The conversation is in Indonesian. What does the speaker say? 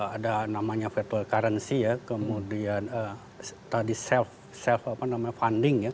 ada namanya virtual currency ya kemudian tadi self apa namanya funding ya